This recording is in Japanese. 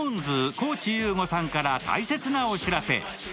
高地優吾さんから大切なお知らせ。